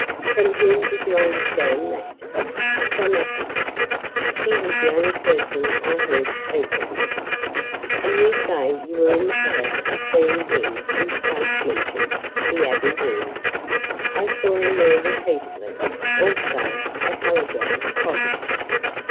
"From whom did you understand that?" "From Afy. She was the only person I heard speak of him." "And you say you were in the habit of seeing him in the place mentioned, the Abbey Wood?" "I saw him there repeatedly; also at Hallijohn's cottage."